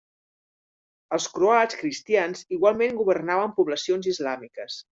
Els croats cristians igualment governaven poblacions islàmiques.